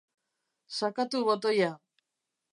Sakatu botoia.